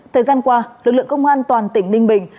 thời gian qua lực lượng công an toàn tỉnh ninh bình